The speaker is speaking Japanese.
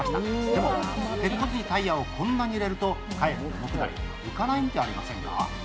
でも鉄骨にタイヤをこんなに入れると、重くなってかえって重くなり、浮かないんじゃありませんか。